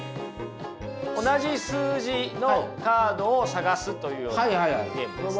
同じ数字のカードを探すというようなゲームですね。